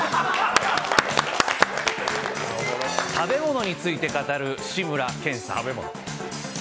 食べ物について語る志村けんさん。